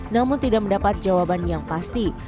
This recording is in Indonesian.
namun tidak mendapat jawaban yang pasti